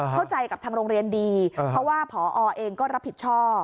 เข้าใจกับทางโรงเรียนดีเพราะว่าพอเองก็รับผิดชอบ